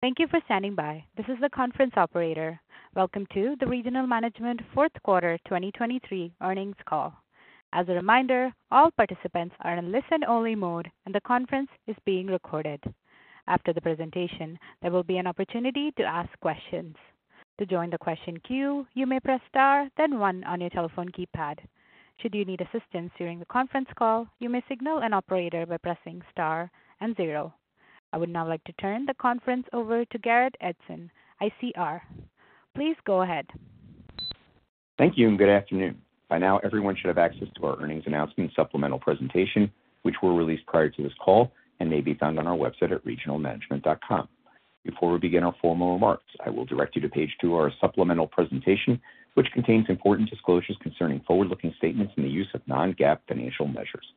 Thank you for standing by. This is the conference operator. Welcome to the Regional Management Q4 2023 Earnings Call. As a reminder, all participants are in listen-only mode, and the conference is being recorded. After the presentation, there will be an opportunity to ask questions. To join the question queue, you may press star, then one on your telephone keypad. Should you need assistance during the conference call, you may signal an operator by pressing star and zero. I would now like to turn the conference over to Garrett Edson, ICR. Please go ahead. Thank you and good afternoon. By now, everyone should have access to our earnings announcement supplemental presentation, which were released prior to this call and may be found on our website at regionalmanagement.com. Before we begin our formal remarks, I will direct you to page two of our supplemental presentation, which contains important disclosures concerning forward-looking statements and the use of non-GAAP financial measures.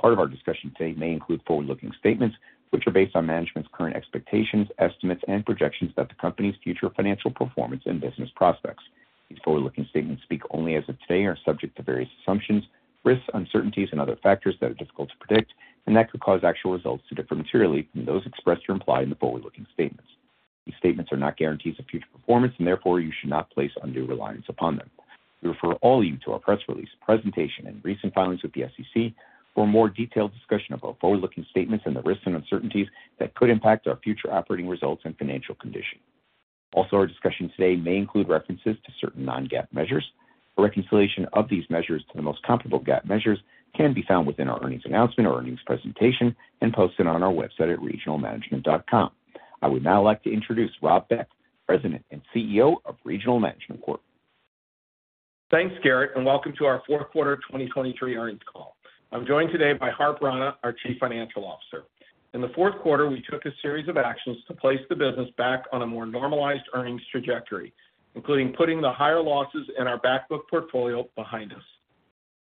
Part of our discussion today may include forward-looking statements, which are based on management's current expectations, estimates, and projections about the company's future financial performance and business prospects. These forward-looking statements speak only as of today and are subject to various assumptions, risks, uncertainties, and other factors that are difficult to predict and that could cause actual results to differ materially from those expressed or implied in the forward-looking statements. These statements are not guarantees of future performance, and therefore you should not place undue reliance upon them. We refer all of you to our press release, presentation, and recent filings with the SEC for a more detailed discussion about forward-looking statements and the risks and uncertainties that could impact our future operating results and financial condition. Also, our discussion today may include references to certain non-GAAP measures. A reconciliation of these measures to the most comparable GAAP measures can be found within our earnings announcement or earnings presentation and posted on our website at regionalmanagement.com. I would now like to introduce Rob Beck, President and CEO of Regional Management Corporation. Thanks, Garrett, and welcome to our Q4 2023 earnings call. I'm joined today by Harp Rana, our Chief Financial Officer. In the Q4, we took a series of actions to place the business back on a more normalized earnings trajectory, including putting the higher losses in our back book portfolio behind us.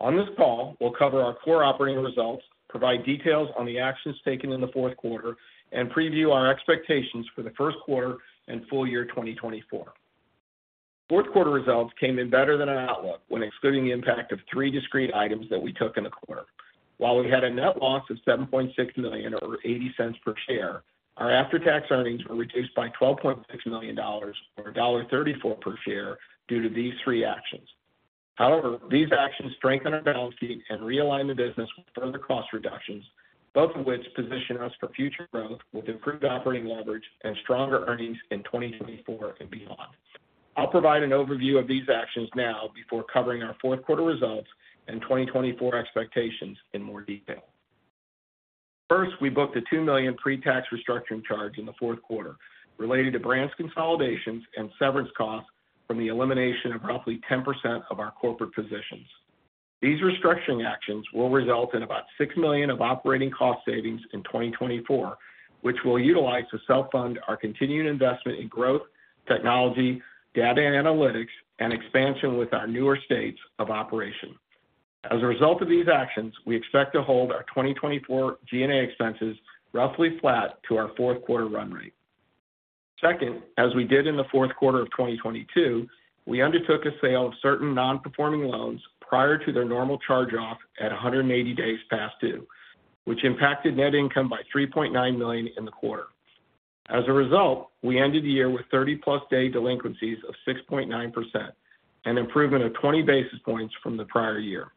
On this call, we'll cover our core operating results, provide details on the actions taken in the Q4, and preview our expectations for the Q1 and full year 2024. Q4 results came in better than our outlook when excluding the impact of three discrete items that we took in the quarter. While we had a net loss of $7.6 million, or $0.80 per share, our after-tax earnings were reduced by $12.6 million, or $1.34 per share, due to these three actions. However, these actions strengthen our balance sheet and realign the business with further cost reductions, both of which position us for future growth with improved operating leverage and stronger earnings in 2024 and beyond. I'll provide an overview of these actions now before covering our Q4 results and 2024 expectations in more detail. First, we booked a $2 million pre-tax restructuring charge in the Q4 related to branch consolidations and severance costs from the elimination of roughly 10% of our corporate positions. These restructuring actions will result in about $6 million of operating cost savings in 2024, which we'll utilize to self-fund our continued investment in growth, technology, data and analytics, and expansion with our newer states of operation. As a result of these actions, we expect to hold our 2024 G&A expenses roughly flat to our Q4 run rate. Second, as we did in the Q4 of 2022, we undertook a sale of certain non-performing loans prior to their normal charge-off at 180 days past due, which impacted net income by $3.9 million in the quarter. As a result, we ended the year with 30+ day delinquencies of 6.9%, an improvement of 20 basis points from the prior year.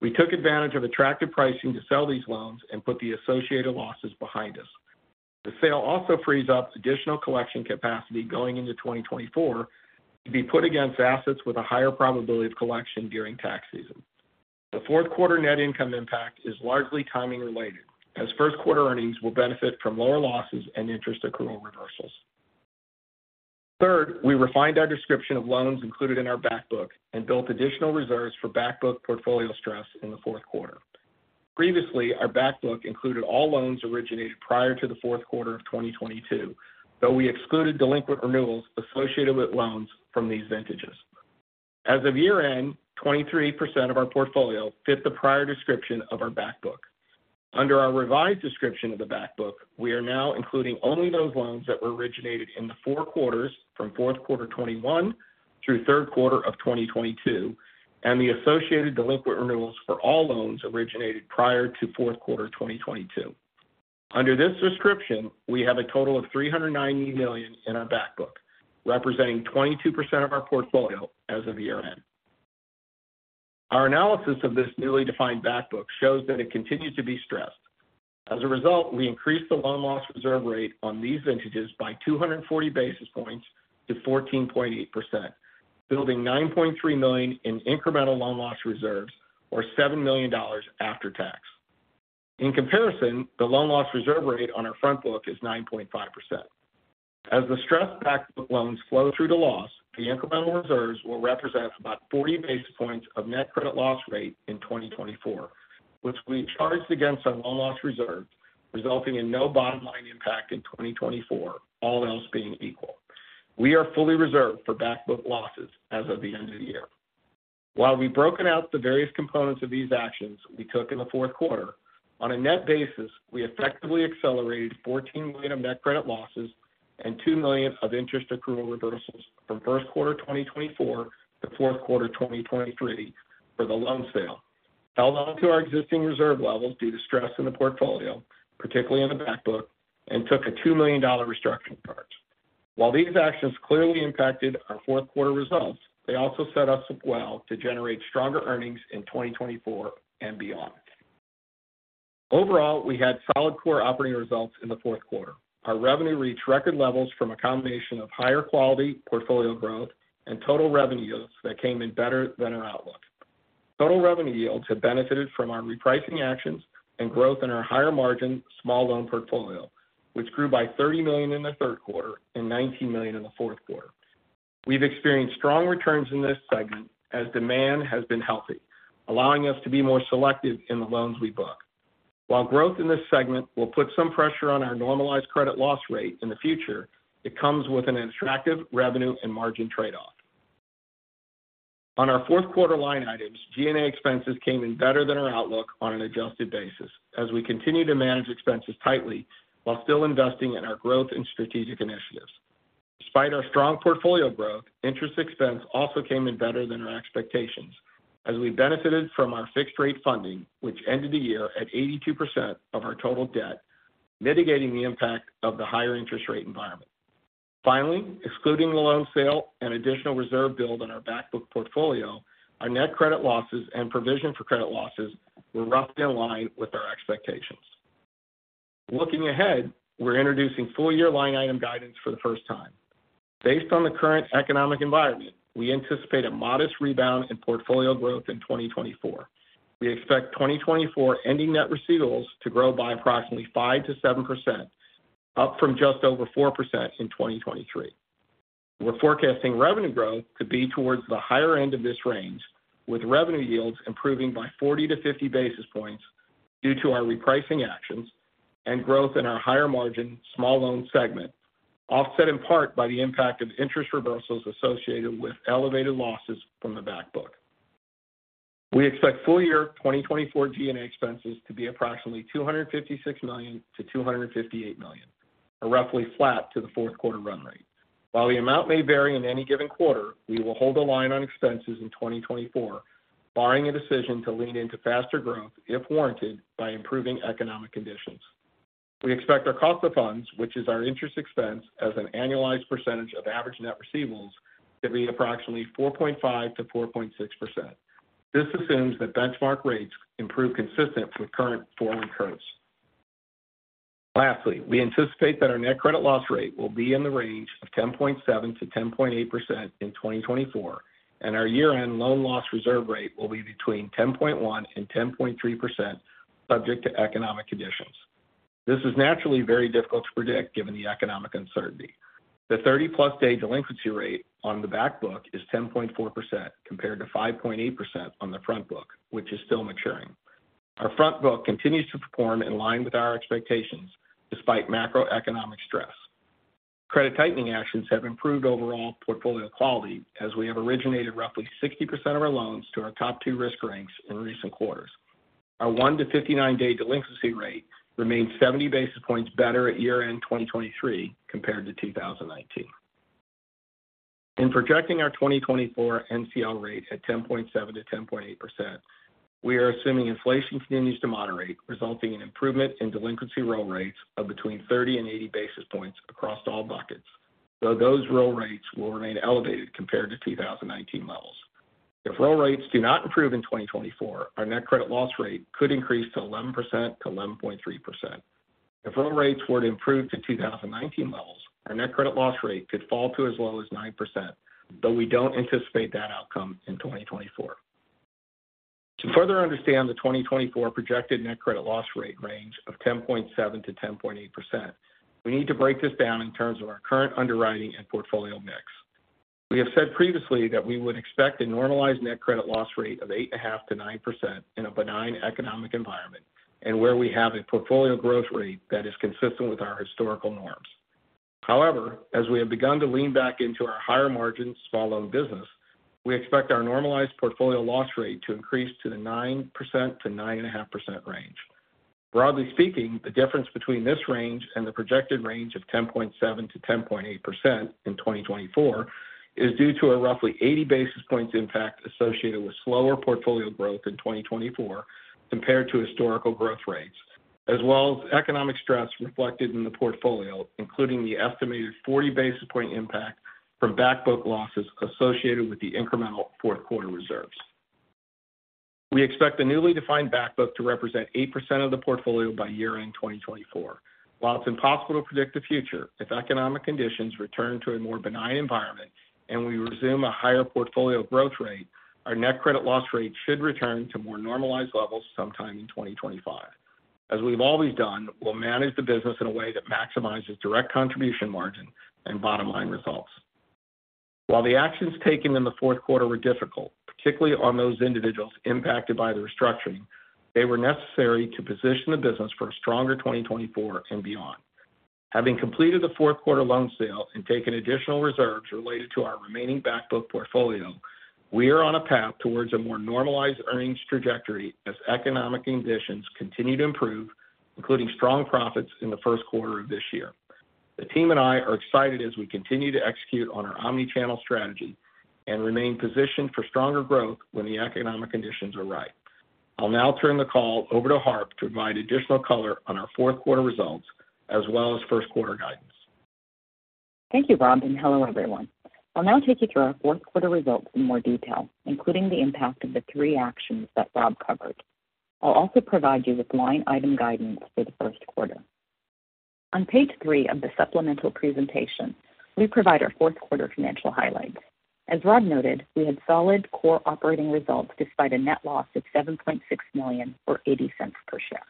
We took advantage of attractive pricing to sell these loans and put the associated losses behind us. The sale also frees up additional collection capacity going into 2024 to be put against assets with a higher probability of collection during tax season. The Q4 net income impact is largely timing related, as Q1 earnings will benefit from lower losses and interest accrual reversals. Third, we refined our description of loans included in our back book and built additional reserves for back book portfolio stress in the Q4. Previously, our back book included all loans originated prior to the Q4 of 2022, though we excluded delinquent renewals associated with loans from these vintages. As of year-end, 23% of our portfolio fit the prior description of our back book. Under our revised description of the back book, we are now including only those loans that were originated in the four quarters from Q4 2021 through Q3 of 2022, and the associated delinquent renewals for all loans originated prior to Q4 2022. Under this description, we have a total of $390 million in our back book, representing 22% of our portfolio as of year-end. Our analysis of this newly defined back book shows that it continues to be stressed. As a result, we increased the loan loss reserve rate on these vintages by 240 basis points to 14.8%, building $9.3 million in incremental loan loss reserves, or $7 million after tax. In comparison, the loan loss reserve rate on our front book is 9.5%. As the stressed back book loans flow through to loss, the incremental reserves will represent about 40 basis points of net credit loss rate in 2024, which we charged against our loan loss reserve, resulting in no bottom line impact in 2024, all else being equal. We are fully reserved for back book losses as of the end of the year. While we've broken out the various components of these actions we took in the Q4, on a net basis, we effectively accelerated $14 million of net credit losses and $2 million of interest accrual reversals from Q1 2024 to Q4 2023 for the loan sale, held on to our existing reserve levels due to stress in the portfolio, particularly in the back book, and took a $2 million restructuring charge. While these actions clearly impacted our Q4 results, they also set us up well to generate stronger earnings in 2024 and beyond. Overall, we had solid core operating results in the Q4. Our revenue reached record levels from a combination of higher quality portfolio growth and total revenue yields that came in better than our outlook. Total revenue yields have benefited from our repricing actions and growth in our higher margin small loan portfolio, which grew by $30 million in the Q3 and $19 million in the Q4. We've experienced strong returns in this segment as demand has been healthy, allowing us to be more selective in the loans we book. While growth in this segment will put some pressure on our normalized credit loss rate in the future, it comes with an attractive revenue and margin trade-off. On our Q4 line items, G&A expenses came in better than our outlook on an adjusted basis, as we continue to manage expenses tightly while still investing in our growth and strategic initiatives. Despite our strong portfolio growth, interest expense also came in better than our expectations, as we benefited from our fixed rate funding, which ended the year at 82% of our total debt, mitigating the impact of the higher interest rate environment. Finally, excluding the loan sale and additional reserve build on our back book portfolio, our net credit losses and provision for credit losses were roughly in line with our expectations. Looking ahead, we're introducing full year line item guidance for the first time. Based on the current economic environment, we anticipate a modest rebound in portfolio growth in 2024. We expect 2024 ending net receivables to grow by approximately 5% to 7%, up from just over 4% in 2023. We're forecasting revenue growth to be towards the higher end of this range, with revenue yields improving by 40 to 50 basis points due to our repricing actions and growth in our higher margin small loan segment, offset in part by the impact of interest reversals associated with elevated losses from the back book. We expect full year 2024 G&A expenses to be approximately $256 million to 258 million, or roughly flat to the Q4 run rate. While the amount may vary in any given quarter, we will hold the line on expenses in 2024, barring a decision to lean into faster growth if warranted by improving economic conditions. We expect our cost of funds, which is our interest expense as an annualized percentage of average net receivables, to be approximately 4.5% to 4.6%. This assumes that benchmark rates improve consistent with current forward curves. Lastly, we anticipate that our net credit loss rate will be in the range of 10.7% to 10.8% in 2024, and our year-end loan loss reserve rate will be between 10.1% and 10.3%, subject to economic conditions. This is naturally very difficult to predict, given the economic uncertainty. The 30+ day delinquency rate on the back book is 10.4%, compared to 5.8% on the front book, which is still maturing. Our front book continues to perform in line with our expectations, despite macroeconomic stress. Credit tightening actions have improved overall portfolio quality, as we have originated roughly 60% of our loans to our top two risk ranks in recent quarters. Our 1-59-day delinquency rate remains 70 basis points better at year-end 2023 compared to 2019. In projecting our 2024 NCL rate at 10.7%-10.8%, we are assuming inflation continues to moderate, resulting in improvement in delinquency roll rates of between 30 and 80 basis points across all buckets, though those roll rates will remain elevated compared to 2019 levels. If roll rates do not improve in 2024, our net credit loss rate could increase to 11% to 11.3%. If roll rates were to improve to 2019 levels, our net credit loss rate could fall to as low as 9%, though we don't anticipate that outcome in 2024. To further understand the 2024 projected net credit loss rate range of 10.7% to 10.8%, we need to break this down in terms of our current underwriting and portfolio mix. We have said previously that we would expect a normalized net credit loss rate of 8.5% to 9% in a benign economic environment, and where we have a portfolio growth rate that is consistent with our historical norms. However, as we have begun to lean back into our higher margin small loan business, we expect our normalized portfolio loss rate to increase to the 9% to 9.5% range. Broadly speaking, the difference between this range and the projected range of 10.7% to 10.8% in 2024 is due to a roughly 80 basis points impact associated with slower portfolio growth in 2024 compared to historical growth rates, as well as economic stress reflected in the portfolio, including the estimated 40 basis point impact from back book losses associated with the incremental Q4 reserves. We expect the newly defined back book to represent 8% of the portfolio by year-end 2024. While it's impossible to predict the future, if economic conditions return to a more benign environment and we resume a higher portfolio growth rate, our net credit loss rate should return to more normalized levels sometime in 2025. As we've always done, we'll manage the business in a way that maximizes direct contribution margin and bottom line results. While the actions taken in the Q4 were difficult, particularly on those individuals impacted by the restructuring, they were necessary to position the business for a stronger 2024 and beyond. Having completed the Q4 loan sale and taken additional reserves related to our remaining back book portfolio, we are on a path towards a more normalized earnings trajectory as economic conditions continue to improve, including strong profits in the Q1 of this year. The team and I are excited as we continue to execute on our omni-channel strategy and remain positioned for stronger growth when the economic conditions are right. I'll now turn the call over to Harp to provide additional color on our Q4 results as well as Q1 guidance. Thank you, Rob, and hello everyone. I'll now take you through our Q4 results in more detail, including the impact of the three actions that Rob covered. I'll also provide you with line item guidance for the Q1. On page 3 of the supplemental presentation, we provide our Q4 financial highlights. As Rob noted, we had solid core operating results despite a net loss of $7.6 million, or $0.80 per share.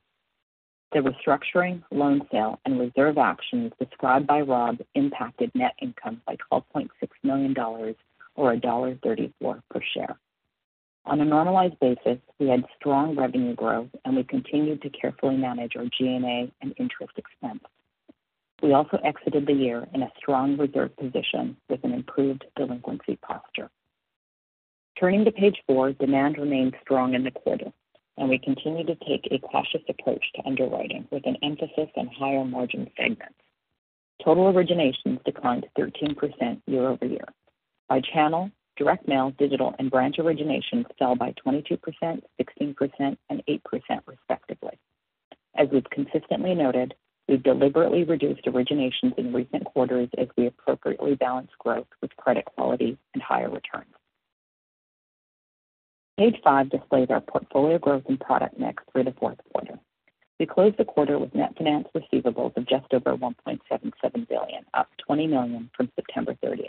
The restructuring, loan sale, and reserve actions described by Rob impacted net income by $12.6 million or $1.34 per share. On a normalized basis, we had strong revenue growth, and we continued to carefully manage our G&A and interest expense. We also exited the year in a strong reserve position with an improved delinquency posture. Turning to page four, demand remained strong in the quarter, and we continued to take a cautious approach to underwriting, with an emphasis on higher-margin segments. Total originations declined 13% year-over-year. By channel, direct mail, digital, and branch originations fell by 22%, 16%, and 8%, respectively. As we've consistently noted, we've deliberately reduced originations in recent quarters as we appropriately balance growth with credit quality and higher returns. Page five displays our portfolio growth and product mix through the Q4. We closed the quarter with net finance receivables of just over $1.77 billion, up $20 million from September 30.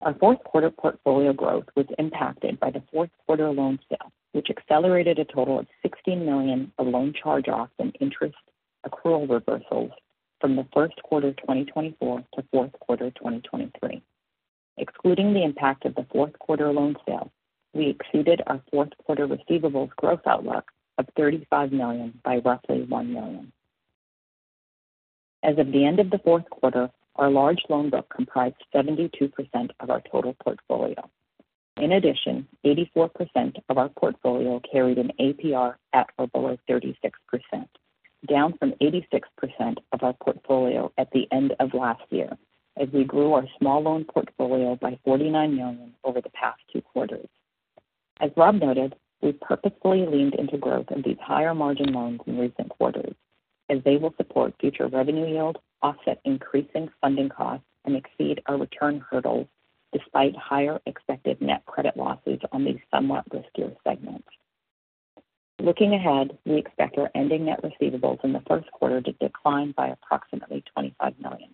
Our Q4 portfolio growth was impacted by the Q4 loan sale, which accelerated a total of $16 million of loan charge-offs and interest accrual reversals from the Q1 of 2024 to Q4 of 2023. Excluding the impact of the Q4 loan sale, we exceeded our Q4 receivables growth outlook of $35 million by roughly $1 million. As of the end of the Q4, our large loan book comprised 72% of our total portfolio. In addition, 84% of our portfolio carried an APR at or below 36%, down from 86% of our portfolio at the end of last year, as we grew our small loan portfolio by $49 million over the past two quarters. As Rob noted, we purposely leaned into growth in these higher-margin loans in recent quarters, as they will support future revenue yield, offset increasing funding costs, and exceed our return hurdles, despite higher expected net credit losses on these somewhat riskier segments. Looking ahead, we expect our ending net receivables in the Q1 to decline by approximately $25 million,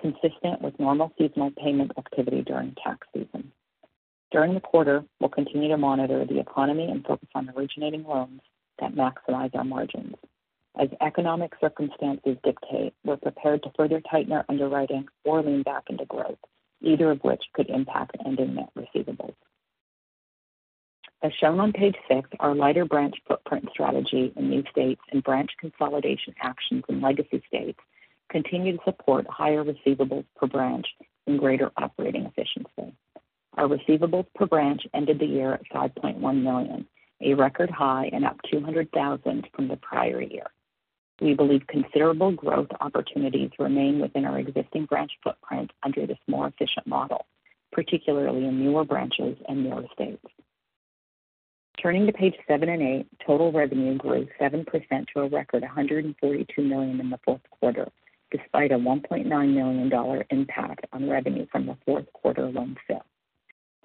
consistent with normal seasonal payment activity during tax season. During the quarter, we'll continue to monitor the economy and focus on originating loans that maximize our margins. As economic circumstances dictate, we're prepared to further tighten our underwriting or lean back into growth, either of which could impact ending net receivables. As shown on page 6, our lighter branch footprint strategy in new states and branch consolidation actions in legacy states continue to support higher receivables per branch and greater operating efficiency. Our receivables per branch ended the year at $5.1 million, a record high and up $200,000 from the prior year. We believe considerable growth opportunities remain within our existing branch footprint under this more efficient model, particularly in newer branches and newer states. Turning to page seven and eight, total revenue grew 7% to a record $142 million in the Q4, despite a $1.9 million dollar impact on revenue from the Q4 loan sale.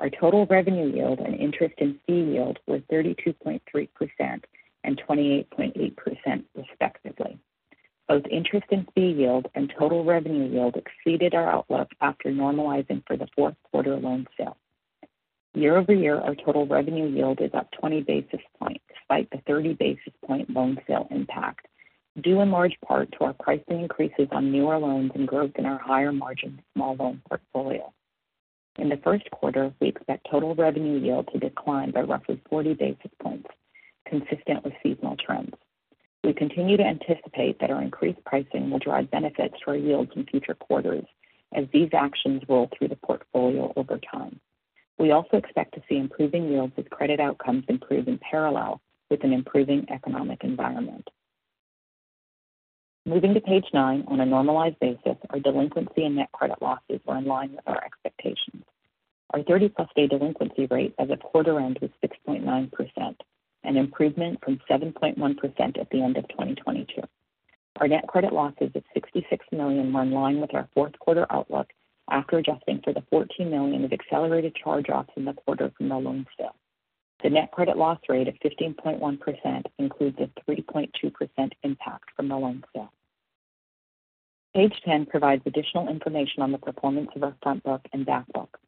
Our total revenue yield and interest and fee yield were 32.3% and 28.8%, respectively. Both interest and fee yield and total revenue yield exceeded our outlook after normalizing for the Q4 loan sale. Year-over-year, our total revenue yield is up 20 basis points, despite the 30 basis point loan sale impact, due in large part to our pricing increases on newer loans and growth in our higher-margin small loan portfolio. In the Q1, we expect total revenue yield to decline by roughly 40 basis points, consistent with seasonal trends. We continue to anticipate that our increased pricing will drive benefits to our yields in future quarters as these actions roll through the portfolio over time. We also expect to see improving yields as credit outcomes improve in parallel with an improving economic environment. Moving to page 9, on a normalized basis, our delinquency and net credit losses were in line with our expectations. Our 30+ day delinquency rate as of quarter end was 6.9%, an improvement from 7.1% at the end of 2022. Our net credit losses of $66 million were in line with our Q4 outlook after adjusting for the $14 million of accelerated charge-offs in the quarter from the loan sale. The net credit loss rate of 15.1% includes a 3.2% impact from the loan sale. Page ten provides additional information on the performance of our front book and back book.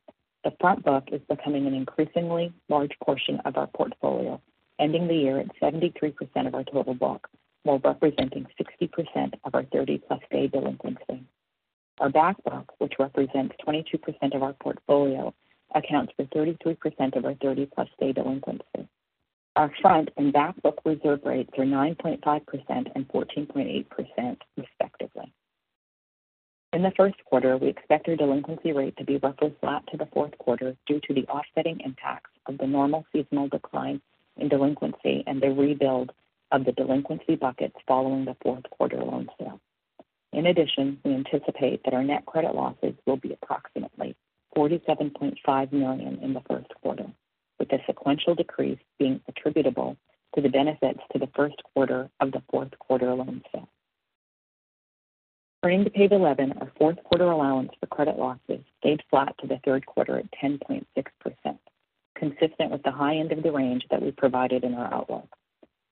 The front book is becoming an increasingly large portion of our portfolio, ending the year at 73% of our total book, while representing 60% of our 30+ day delinquency. Our back book, which represents 22% of our portfolio, accounts for 33% of our 30+ day delinquency. Our front and back book reserve rates are 9.5% and 14.8%, respectively. In the Q1, we expect our delinquency rate to be roughly flat to the Q4 due to the offsetting impacts of the normal seasonal decline in delinquency and the rebuilding of the delinquency buckets following the Q4 loan sale. In addition, we anticipate that our net credit losses will be approximately $47.5 million in the Q1, with a sequential decrease being attributable to the benefits to the Q1 of the Q4 loan sale. Turning to page 11, our Q4 allowance for credit losses stayed flat to the Q3 at 10.6%, consistent with the high end of the range that we provided in our outlook.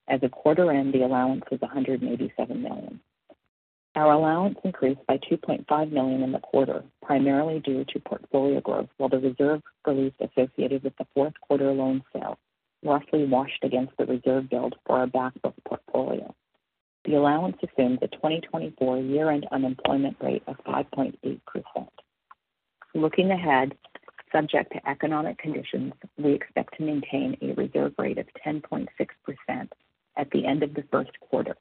As of quarter end, the allowance was $187 million. Our allowance increased by $2.5 million in the quarter, primarily due to portfolio growth, while the reserve release associated with the Q4 loan sale roughly washed against the reserve build for our back book portfolio. The allowance assumes a 2024 year-end unemployment rate of 5.8%. Looking ahead, subject to economic conditions, we expect to maintain a reserve rate of 10.6% at the end of the Q1,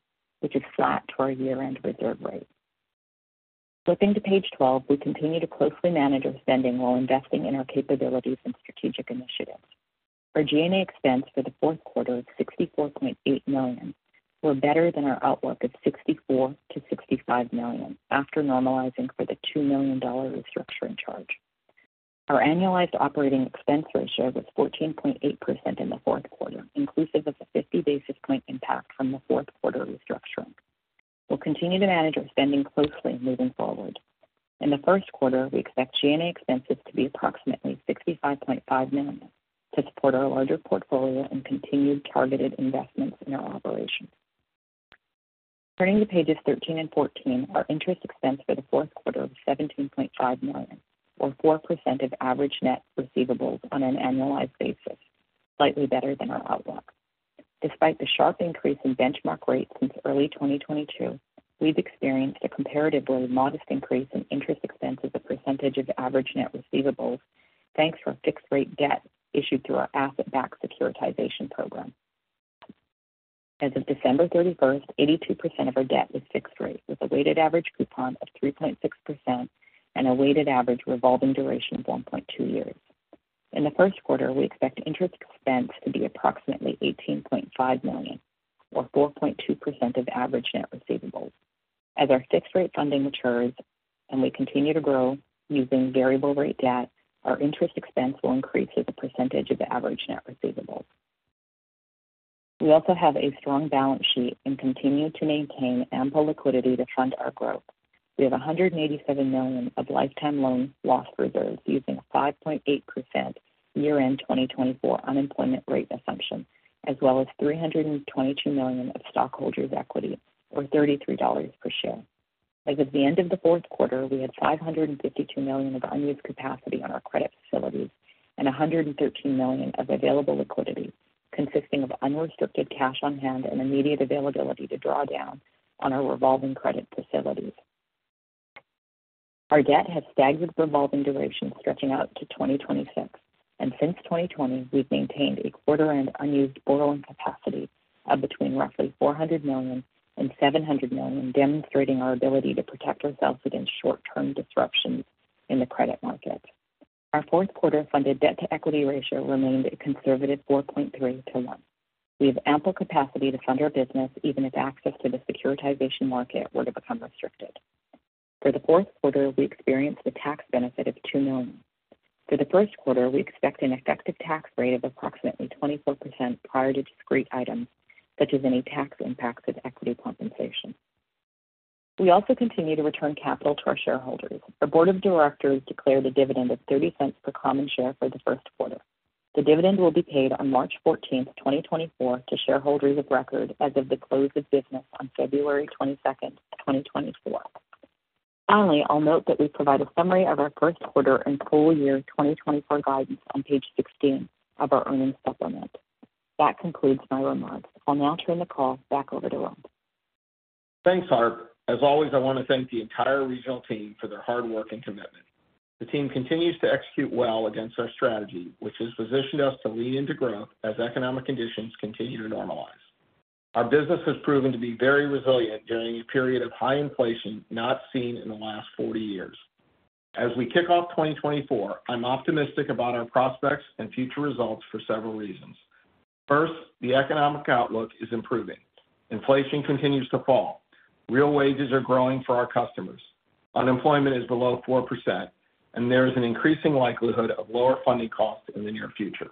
which is flat to our year-end reserve rate. Flipping to page 12, we continue to closely manage our spending while investing in our capabilities and strategic initiatives. Our G&A expense for the Q4 of $64.8 million were better than our outlook of $64 million-$65 million after normalizing for the $2 million restructuring charge. Our annualized operating expense ratio was 14.8% in the Q4, inclusive of the 50 basis point impact from the Q4 restructuring. We'll continue to manage our spending closely moving forward. In the Q1, we expect G&A expenses to be approximately $65.5 million to support our larger portfolio and continued targeted investments in our operations. Turning to pages 13 and 14, our interest expense for the Q4 of $17.5 million, or 4% of average net receivables on an annualized basis, slightly better than our outlook. Despite the sharp increase in benchmark rates since early 2022, we've experienced a comparatively modest increase in interest expense as a percentage of average net receivables, thanks to our fixed-rate debt issued through our asset-backed securitization program. As of December 31, 82% of our debt was fixed rate, with a weighted average coupon of 3.6% and a weighted average revolving duration of 1.2 years. In the Q1, we expect interest expense to be approximately $18.5 million or 4.2% of average net receivables. As our fixed-rate funding matures and we continue to grow using variable rate debt, our interest expense will increase as a percentage of average net receivables. We also have a strong balance sheet and continue to maintain ample liquidity to fund our growth. We have $187 million of lifetime loan loss reserves using a 5.8% year-end 2024 unemployment rate assumption, as well as $322 million of stockholders' equity, or $33 per share. As of the end of the Q4, we had $552 million of unused capacity on our credit facilities and $113 million of available liquidity, consisting of unrestricted cash on hand and immediate availability to draw down on our revolving credit facilities. Our debt has staggered revolving duration stretching out to 2026, and since 2020, we've maintained a quarter-end unused borrowing capacity of between roughly $400 million and $700 million, demonstrating our ability to protect ourselves against short-term disruptions in the credit market. Our Q4 funded debt-to-equity ratio remained a conservative 4.3-to-1. We have ample capacity to fund our business, even if access to the securitization market were to become restricted. For the Q4, we experienced a tax benefit of $2 million. For the Q1, we expect an effective tax rate of approximately 24% prior to discrete items, such as any tax impacts of equity compensation. We also continue to return capital to our shareholders. Our board of directors declared a dividend of $0.30 per common share for the Q1. The dividend will be paid on March 14, 2024, to shareholders of record as of the close of business on February 22, 2024. Finally, I'll note that we provide a summary of our Q1 and full year 2024 guidance on page 16 of our earnings supplement. That concludes my remarks. I'll now turn the call back over to Rob. Thanks, Harp. As always, I want to thank the entire Regional team for their hard work and commitment. The team continues to execute well against our strategy, which has positioned us to lean into growth as economic conditions continue to normalize. Our business has proven to be very resilient during a period of high inflation not seen in the last 40 years. As we kick off 2024, I'm optimistic about our prospects and future results for several reasons. First, the economic outlook is improving. Inflation continues to fall. Real wages are growing for our customers. Unemployment is below 4%, and there is an increasing likelihood of lower funding costs in the near future.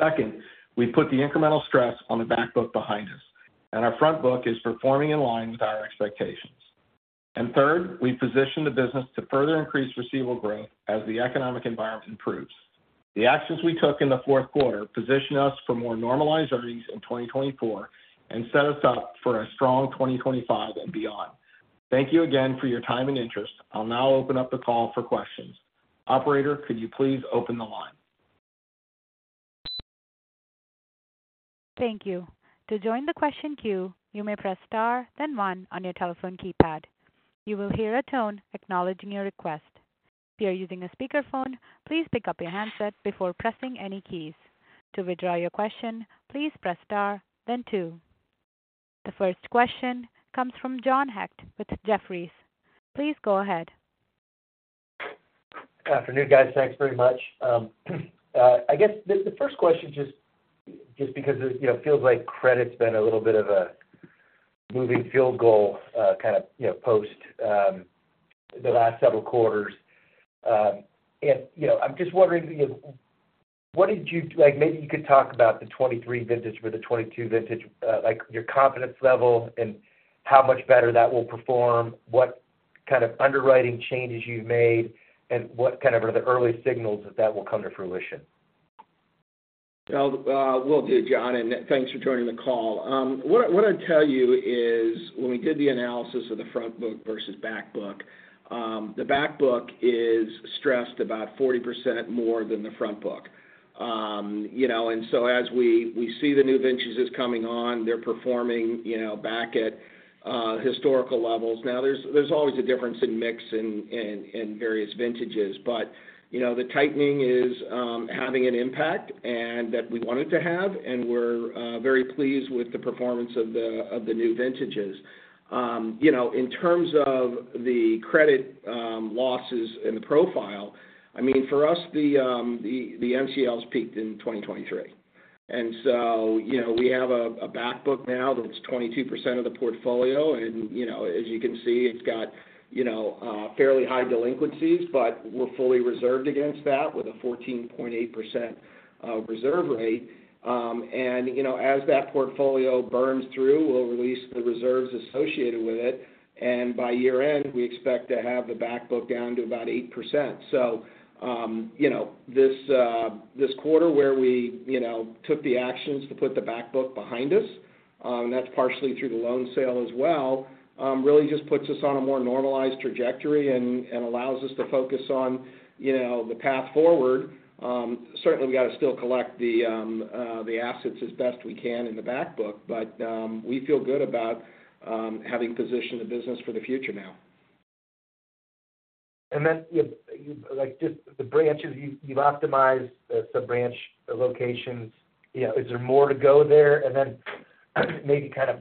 Second, we put the incremental stress on the back book behind us, and our front book is performing in line with our expectations. Third, we position the business to further increase receivable growth as the economic environment improves. The actions we took in the Q4 position us for more normalized earnings in 2024 and set us up for a strong 2025 and beyond. Thank you again for your time and interest. I'll now open up the call for questions. Operator, could you please open the line? Thank you. To join the question queue, you may press Star, then one on your telephone keypad. You will hear a tone acknowledging your request. If you are using a speakerphone, please pick up your handset before pressing any keys. To withdraw your question, please press Star, then two. The first question comes from John Hecht with Jefferies. Please go ahead. Afternoon, guys. Thanks very much. I guess the first question, just because, you know, it feels like credit's been a little bit of a moving field goal, kind of, you know, post the last several quarters. And, you know, I'm just wondering, what did you like, maybe you could talk about the 2023 vintage or the 2022 vintage, like, your confidence level and how much better that will perform, what kind of underwriting changes you've made, and what kind of are the early signals that will come to fruition? Well, will do, John, and thanks for joining the call. What I'd tell you is, when we did the analysis of the front book versus back book, the back book is stressed about 40% more than the front book. You know, and so as we see the new vintages coming on, they're performing, you know, back at historical levels. Now, there's always a difference in mix in various vintages, but, you know, the tightening is having an impact, and that we want it to have, and we're very pleased with the performance of the new vintages. You know, in terms of the credit losses and the profile, I mean, for us, the NCLs peaked in 2023. And so, you know, we have a back book now that's 22% of the portfolio, and, you know, as you can see, it's got, you know, fairly high delinquencies. But we're fully reserved against that with a 14.8% reserve rate. And, you know, as that portfolio burns through, we'll release the reserves associated with it, and by year-end, we expect to have the back book down to about 8%. So, you know, this quarter where we, you know, took the actions to put the back book behind us, and that's partially through the loan sale as well, really just puts us on a more normalized trajectory and allows us to focus on, you know, the path forward. Certainly, we got to still collect the assets as best we can in the back book, but we feel good about having positioned the business for the future now. Then, like, just the branches, you've optimized the branch locations. You know, is there more to go there? Then, maybe kind of,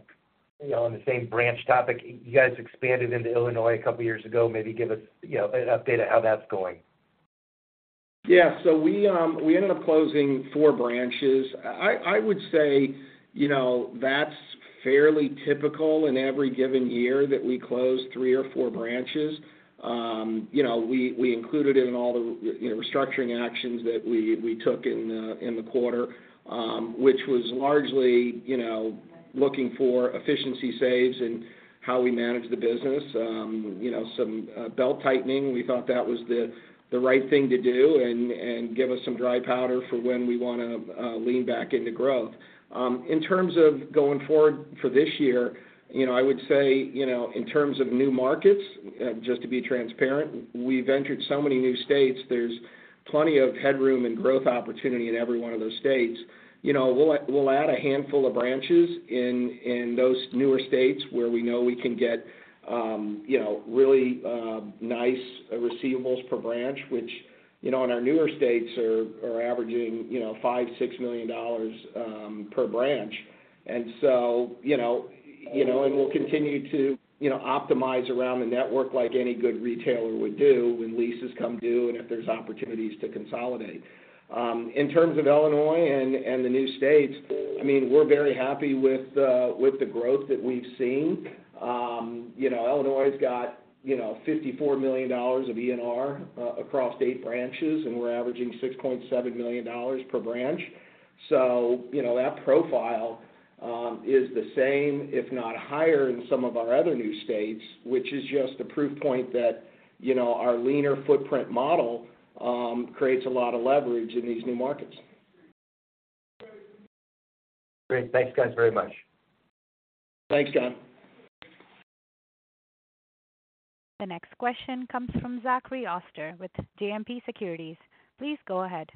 you know, on the same branch topic, you guys expanded into Illinois a couple of years ago. Maybe give us, you know, an update of how that's going. Yeah. So we, we ended up closing four branches. I, I would say, you know, that's fairly typical in every given year that we close three or four branches. You know, we, we included it in all the, you know, restructuring actions that we, we took in the, in the quarter, which was largely, you know, looking for efficiency saves and how we manage the business. You know, some, belt-tightening, we thought that was the, the right thing to do and, and give us some dry powder for when we want to, lean back into growth. In terms of going forward for this year, you know, I would say, you know, in terms of new markets, just to be transparent, we've entered so many new states. There's plenty of headroom and growth opportunity in every one of those states. You know, we'll add a handful of branches in those newer states where we know we can get, you know, really nice receivables per branch, which, you know, in our newer states are averaging, you know, $5 million to 6 million per branch. And so, you know, we'll continue to, you know, optimize around the network like any good retailer would do when leases come due and if there's opportunities to consolidate. In terms of Illinois and the new states, I mean, we're very happy with the growth that we've seen. You know, Illinois's got, you know, $54 million of ENR across eight branches, and we're averaging $6.7 million per branch. You know, that profile is the same, if not higher, than some of our other new states, which is just a proof point that, you know, our leaner footprint model creates a lot of leverage in these new markets. Great. Thanks, guys, very much. Thanks, John. The next question comes from Zachary Oster with JMP Securities. Please go ahead.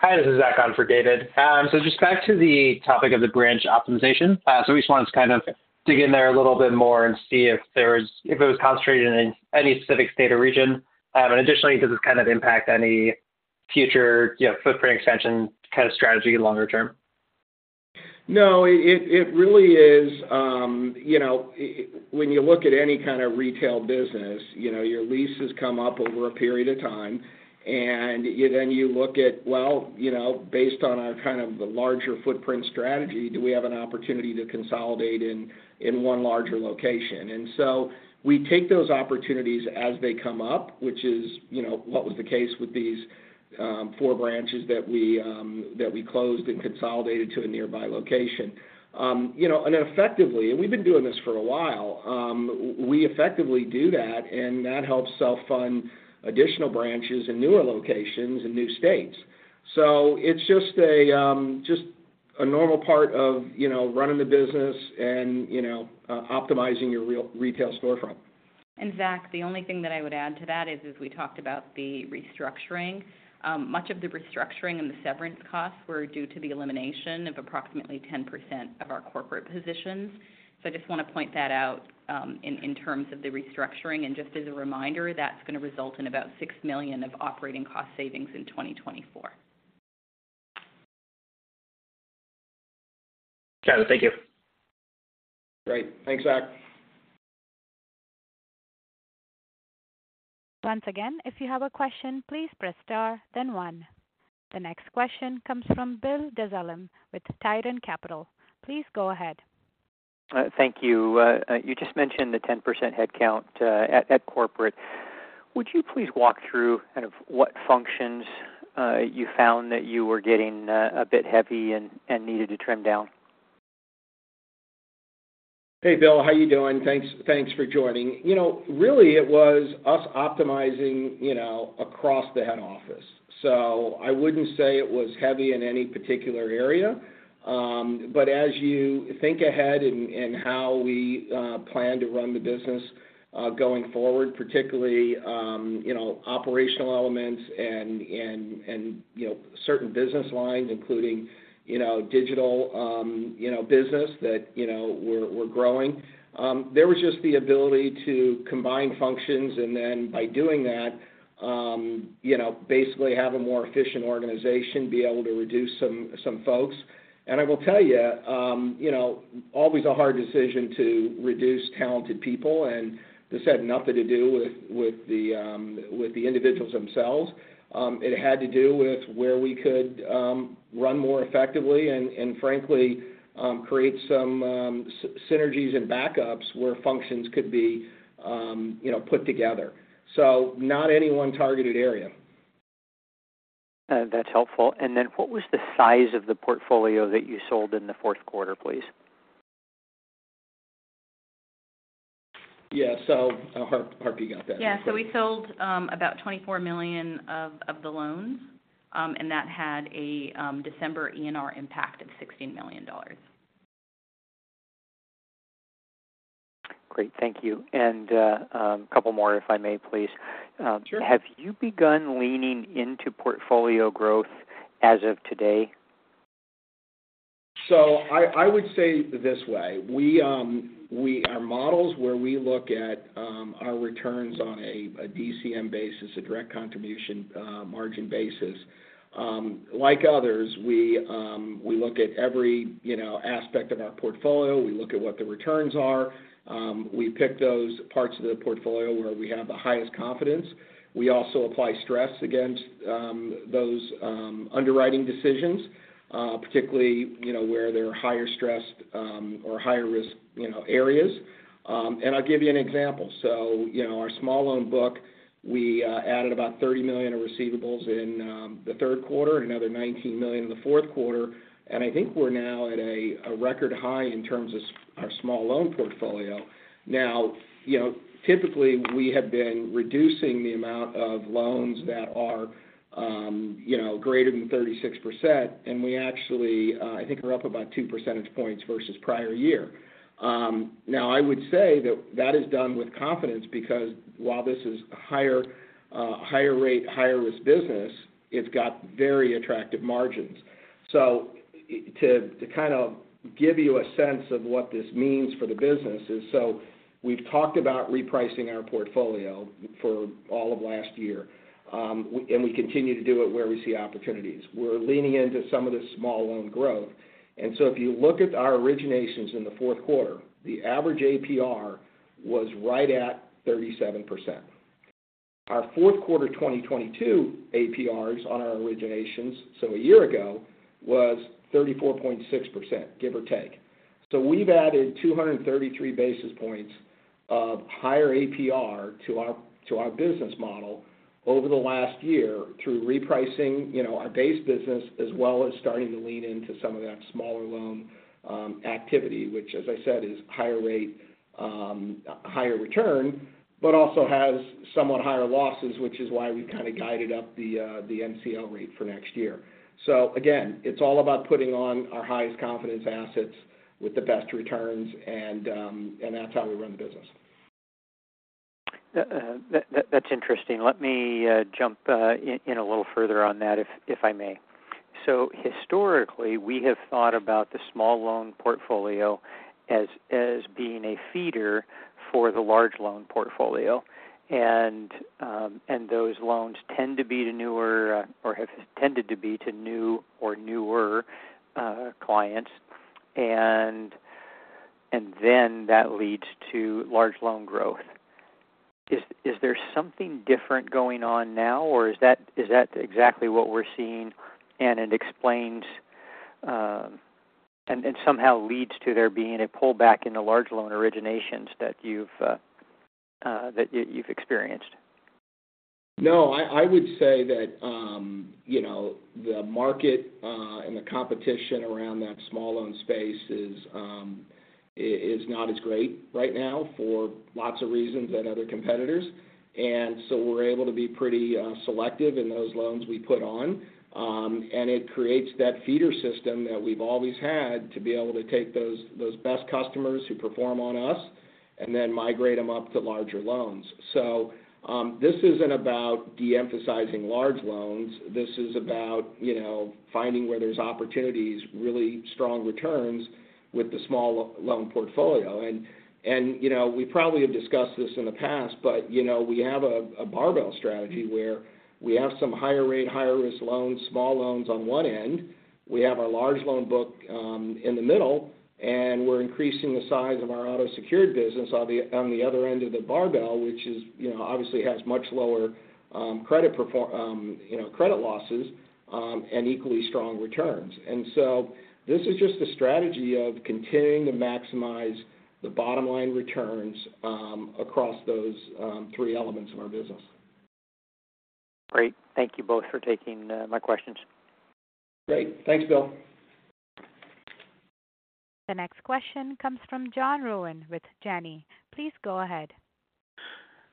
Hi, this is Zach on for David. So just back to the topic of the branch optimization, so we just wanted to kind of dig in there a little bit more and see if there's, if it was concentrated in any specific state or region. And additionally, does this kind of impact any future, you know, footprint expansion kind of strategy longer term? No, it really is, you know, when you look at any kind of retail business, you know, your leases come up over a period of time, and then you look at, well, you know, based on our kind of the larger footprint strategy, do we have an opportunity to consolidate in one larger location? And so we take those opportunities as they come up, which is, you know, what was the case with these four branches that we closed and consolidated to a nearby location. You know, and effectively, and we've been doing this for a while, we effectively do that, and that helps self-fund additional branches in newer locations and new states. So it's just a normal part of, you know, running the business and, you know, optimizing your retail storefront. And Zach, the only thing that I would add to that is we talked about the restructuring. Much of the restructuring and the severance costs were due to the elimination of approximately 10% of our corporate positions. So I just want to point that out, in terms of the restructuring. And just as a reminder, that's going to result in about $6 million of operating cost savings in 2024. Got it. Thank you. Great. Thanks, Zach. Once again, if you have a question, please press star, then one. The next question comes from Bill Dezellem with Tieton Capital. Please go ahead. Thank you. You just mentioned the 10% headcount at corporate. Would you please walk through kind of what functions you found that you were getting a bit heavy and needed to trim down? Hey, Bill, how you doing? Thanks, thanks for joining. You know, really, it was us optimizing, you know, across the head office. So I wouldn't say it was heavy in any particular area. But as you think ahead in how we plan to run the business going forward, particularly, you know, operational elements and certain business lines, including, you know, digital business that, you know, we're growing. There was just the ability to combine functions, and then by doing that, you know, basically have a more efficient organization, be able to reduce some folks. And I will tell you, you know, always a hard decision to reduce talented people, and this had nothing to do with the individuals themselves. It had to do with where we could run more effectively and frankly create some synergies and backups where functions could be, you know, put together. So not any one targeted area. That's helpful. And then what was the size of the portfolio that you sold in the Q4, please? Yeah. So, Harp got that. Yeah, so we sold about $24 million of the loans, and that had a December ENR impact of $16 million. Great. Thank you. And, a couple more, if I may, please. Sure. Have you begun leaning into portfolio growth as of today? So I would say it this way: we our models where we look at our returns on a DCM basis, a direct contribution margin basis. Like others, we look at every, you know, aspect of our portfolio. We look at what the returns are. We pick those parts of the portfolio where we have the highest confidence. We also apply stress against those underwriting decisions, particularly, you know, where they're higher stressed or higher risk, you know, areas. I'll give you an example. So, you know, our small loan book, we added about $30 million of receivables in the Q3, another $19 million in the Q4, and I think we're now at a record high in terms of our small loan portfolio. Now, you know, typically, we have been reducing the amount of loans that are, you know, greater than 36%, and we actually, I think we're up about two percentage points versus prior year. Now, I would say that that is done with confidence because while this is higher, higher rate, higher risk business, it's got very attractive margins. So to, to kind of give you a sense of what this means for the business is, so we've talked about repricing our portfolio for all of last year, and we continue to do it where we see opportunities. We're leaning into some of the small loan growth. And so if you look at our originations in the Q4, the average APR was right at 37%. Our Q4 2022 APRs on our originations, so a year ago, was 34.6%, give or take. So we've added 233 basis points of higher APR to our business model over the last year through repricing, you know, our base business, as well as starting to lean into some of that smaller loan activity, which, as I said, is higher rate higher return, but also has somewhat higher losses, which is why we've kind of guided up the NCL rate for next year. So again, it's all about putting on our highest confidence assets with the best returns, and that's how we run the business. That's interesting. Let me jump in a little further on that, if I may. So historically, we have thought about the small loan portfolio as being a feeder for the large loan portfolio. And those loans tend to be to newer or have tended to be to new or newer clients, and then that leads to large loan growth. Is there something different going on now, or is that exactly what we're seeing, and it explains and somehow leads to there being a pullback in the large loan originations that you've experienced? No, I would say that, you know, the market and the competition around that small loan space is not as great right now for lots of reasons than other competitors. And so we're able to be pretty selective in those loans we put on. And it creates that feeder system that we've always had to be able to take those best customers who perform on us and then migrate them up to larger loans. So, this isn't about de-emphasizing large loans. This is about, you know, finding where there's opportunities, really strong returns with the small loan portfolio. And, you know, we probably have discussed this in the past, but, you know, we have a barbell strategy, where we have some higher rate, higher risk loans, small loans on one end, we have our large loan book in the middle, and we're increasing the size of our auto-secured business on the other end of the barbell, which is, you know, obviously has much lower credit losses and equally strong returns. And so this is just a strategy of continuing to maximize the bottom line returns across those three elements of our business. Great. Thank you both for taking my questions. Great. Thanks, Bill. The next question comes from John Rowan with Janney. Please go ahead.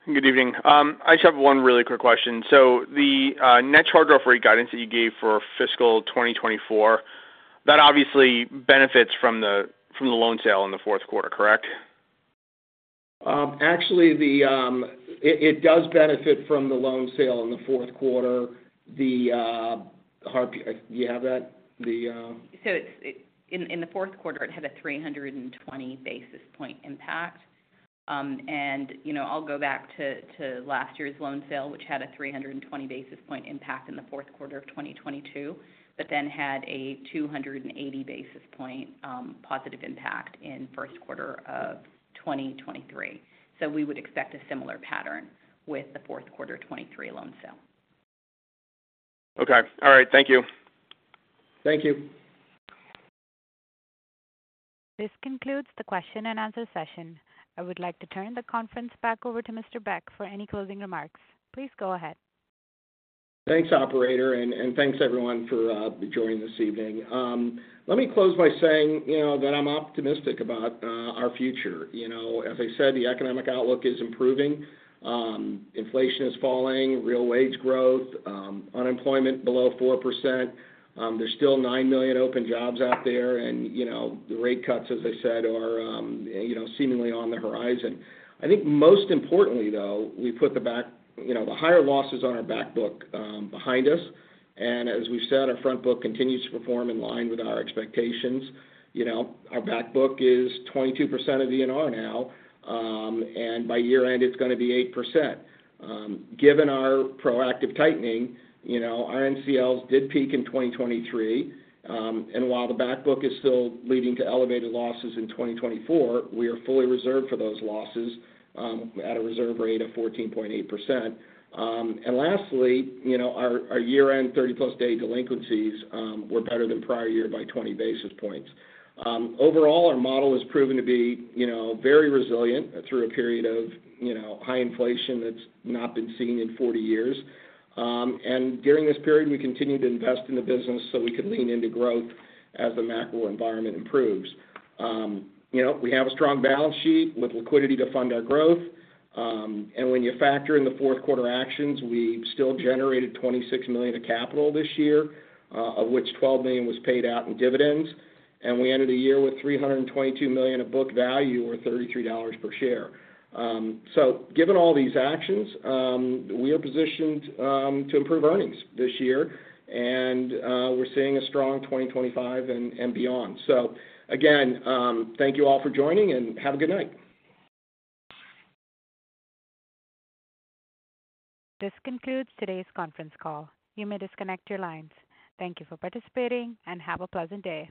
Good evening. I just have one really quick question. So the net charge-off rate guidance that you gave for fiscal 2024, that obviously benefits from the loan sale in the Q4, correct? Actually, it does benefit from the loan sale in the Q4. Harp, do you have that? So it's in the Q4, it had a 320 basis point impact. And, you know, I'll go back to last year's loan sale, which had a 320 basis point impact in the Q4 of 2022, but then had a 280 basis point positive impact in Q1 of 2023. So we would expect a similar pattern with the Q4 2023 loan sale. Okay. All right. Thank you. Thank you. This concludes the question and answer session. I would like to turn the conference back over to Mr. Beck for any closing remarks. Please go ahead. Thanks, operator, and, and thanks, everyone, for joining this evening. Let me close by saying, you know, that I'm optimistic about our future. You know, as I said, the economic outlook is improving, inflation is falling, real wage growth, unemployment below 4%. There's still 9 million open jobs out there, and, you know, the rate cuts, as I said, are, you know, seemingly on the horizon. I think most importantly, though, we put the back, you know, the higher losses on our back book, behind us, and as we've said, our front book continues to perform in line with our expectations. You know, our back book is 22% of ENR now, and by year-end, it's going to be 8%. Given our proactive tightening, you know, our NCLs did peak in 2023, and while the back book is still leading to elevated losses in 2024, we are fully reserved for those losses at a reserve rate of 14.8%. And lastly, you know, our year-end 30+ day delinquencies were better than prior year by 20 basis points. Overall, our model has proven to be, you know, very resilient through a period of, you know, high inflation that's not been seen in 40 years. And during this period, we continued to invest in the business so we could lean into growth as the macro environment improves. You know, we have a strong balance sheet with liquidity to fund our growth. When you factor in the Q4 actions, we still generated $26 million of capital this year, of which $12 million was paid out in dividends, and we ended the year with $322 million of book value or $33 per share. Given all these actions, we are positioned to improve earnings this year, and we're seeing a strong 2025 and beyond. Again, thank you all for joining, and have a good night. This concludes today's conference call. You may disconnect your lines. Thank you for participating, and have a pleasant day.